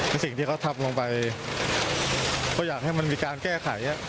สิ่งที่เขาทำลงไปก็อยากให้มันมีการแก้ไข